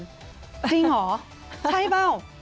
จริงเหรอใช่เปล่า